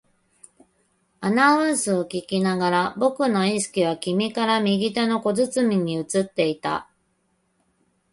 アナウンスを聞きながら、僕の意識は君から右手の小包に移っていった